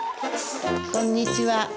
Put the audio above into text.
こんにちは。